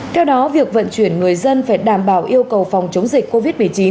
theo đó việc vận chuyển người dân phải đảm bảo yêu cầu phòng chống dịch covid một mươi chín